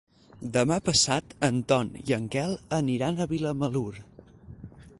Demà passat en Ton i en Quel aniran a Vilamalur.